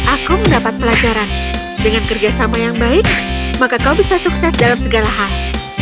aku mendapat pelajaran dengan kerjasama yang baik maka kau bisa sukses dalam segala hal